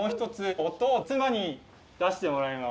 妻に出してもらいます。